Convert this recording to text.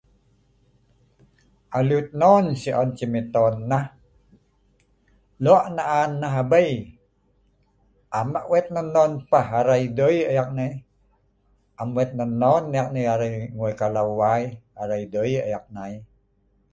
Alut non si an ceh miton nah? Lok naan nah abei, am ek wet non-non pah..arai doi ek nai..am wet non-non neek arai ngui kalaw wai.arai doi ek nai